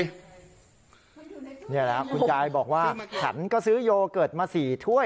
นี่แหละคุณยายบอกว่าฉันก็ซื้อโยเกิร์ตมา๔ถ้วย